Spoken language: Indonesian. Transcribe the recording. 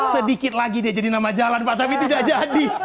sedikit lagi dia jadi nama jalan pak tapi tidak jadi